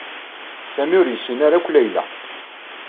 Sami ur yessin ara akk Layla.